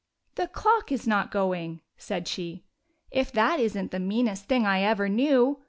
" The clock is not going !" said she. " If that isn't the meanest thing I ever knew!